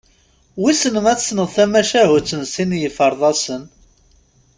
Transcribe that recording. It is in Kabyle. Wis ma tesneḍ tamacahut n sin yiferḍasen?